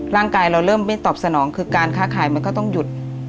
ร่างกายเราเริ่มไม่ตอบสนองคือการค้าขายมันก็ต้องหยุด